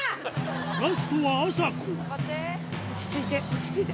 ラストはあさこ落ち着いて落ち着いて！